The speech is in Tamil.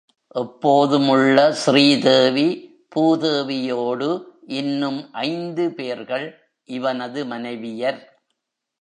எப்போதும் உள்ள ஸ்ரீதேவி பூதேவியோடு இன்னும் ஐந்து பேர்கள் இவனது மனைவியர்.